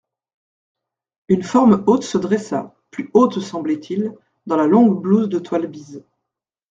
Une forme haute se dressa, plus haute semblait-il, dans la longue blouse de toile bise.